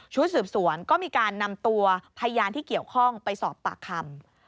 สืบสวนก็มีการนำตัวพยานที่เกี่ยวข้องไปสอบปากคำ